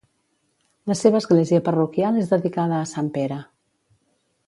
La seva església parroquial és dedicada a Sant Pere.